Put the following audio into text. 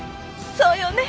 そうよね。